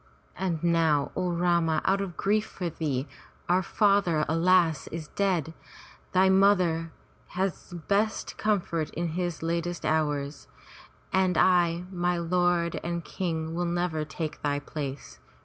And now, O Rama, out of grief for thee, our father, alas! is dead, thy mother his best comfort in his latest hours. And I, my lord and King, will never take thy place.